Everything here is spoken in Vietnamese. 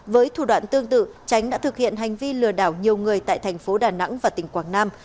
với thủ đoạn tương tự tránh đã thực hiện hành vi lừa đảo nhiều người tại thành phố đà nẵng và tỉnh quảng nam